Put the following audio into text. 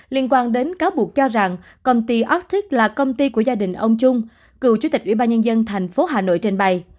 liên quan đến cáo buộc cho rằng công ty arctic là công ty của gia đình ông trung cựu chủ tịch ủy ban nhân dân thành phố hà nội trên bày